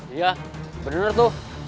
iya bener tuh